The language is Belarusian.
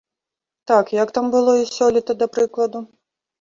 Так, як там было і сёлета, да прыкладу.